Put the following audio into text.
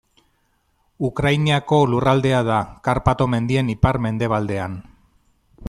Ukrainiako lurraldea da, Karpato mendien ipar-mendebalean.